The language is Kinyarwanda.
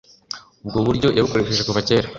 Ubwo buryo yabukoresheje kuva kera